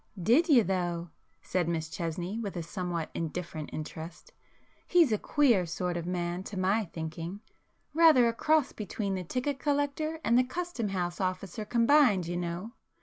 "Did you though?" said Miss Chesney with a somewhat indifferent interest,—"He's a queer sort of man to my thinking; rather a cross between the ticket collector and custom house officer combined, you know!